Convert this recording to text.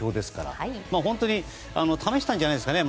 松木さん、本当に試したんじゃないですかね。